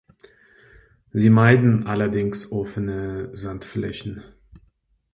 Sie meiden allerdings offene Sandflächen.